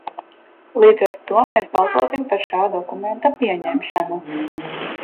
Līdz ar to mēs balsosim par šā dokumenta pieņemšanu.